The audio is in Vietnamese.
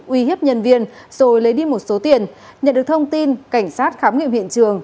uy hiếp nhân viên rồi lấy đi một số tiền nhận được thông tin cảnh sát khám nghiệm hiện trường